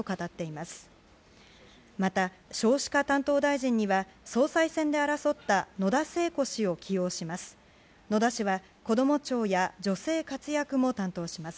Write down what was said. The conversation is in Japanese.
また、少子化担当大臣には総裁選で争った野田聖子氏を起用します。